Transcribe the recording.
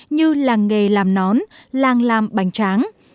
như làng nghề làm nón làng làm bánh tráng